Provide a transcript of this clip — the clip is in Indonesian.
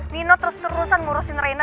nino terus terusan ngurusin reina